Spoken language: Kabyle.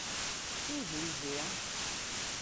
I uzenzi?